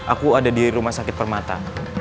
aku ada di rumah sakit permata